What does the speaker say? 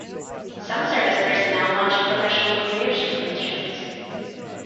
Some service personnel launched professional careers from those shows.